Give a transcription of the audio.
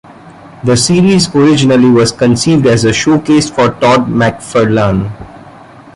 The series originally was conceived as a showcase for Todd McFarlane.